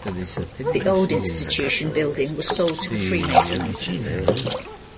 The old Institution building was sold to the Freemasons.